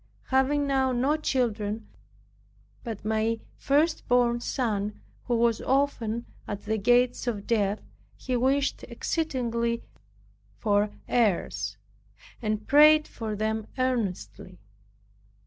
Having now no children but my first born son, who was often at the gates of death, he wished exceedingly for heirs, and prayed for them earnestly.